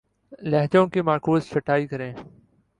لہجوں کی معکوس چھٹائی کریں